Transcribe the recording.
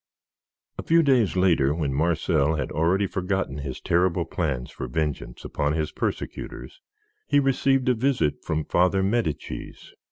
A few days later, when Marcel had already forgotten his terrible plans for vengeance upon his persecutors, he received a visit from Father Medicis.